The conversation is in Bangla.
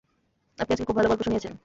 আপনি আজকে খুব ভাল গল্প শুনিয়েছেন।